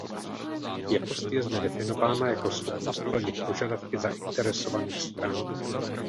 Jakost je zde definována jako schopnost plnit požadavky zainteresovaných stran.